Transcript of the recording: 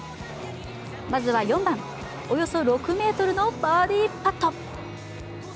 まずは４番、およそ６ｍのバーディーパット。